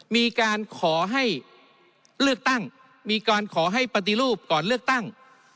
มีการขอให้เลือกตั้งมีการขอให้ปฏิรูปก่อนเลือกตั้ง